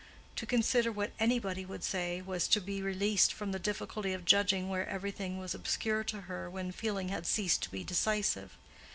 To consider what "anybody" would say, was to be released from the difficulty of judging where everything was obscure to her when feeling had ceased to be decisive.